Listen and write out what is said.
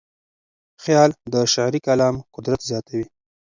خیال د شعري کلام قدرت زیاتوي.